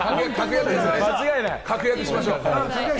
確約しましょう。